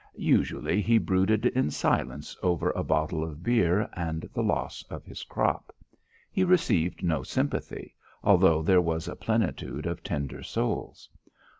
Usually he brooded in silence over a bottle of beer and the loss of his crop. He received no sympathy, although there was a plentitude of tender souls.